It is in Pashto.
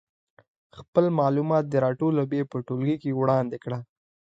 خپل معلومات دې راټول او بیا یې په ټولګي کې وړاندې کړي.